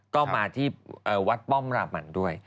ก็มาที่วัดป้อมรามันด้วย